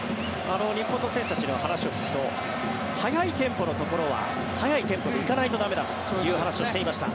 日本の選手たちの話を聞くと速いテンポのところは速いテンポで行かないと駄目だという話をしていました。